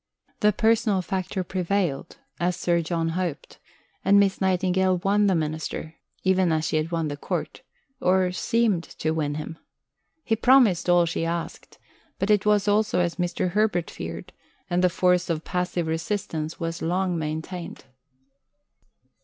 The personal factor prevailed, as Sir John hoped; and Miss Nightingale won the Minister, even as she had won the Court or seemed to win him. He promised all she asked; but it was also as Mr. Herbert feared, and the force of passive resistance was long maintained.